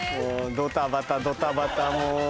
ドタバタドタバタもう。